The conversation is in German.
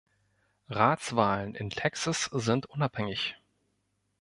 Ratswahlen in Texas sind unabhängig.